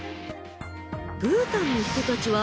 ブータンの人たちは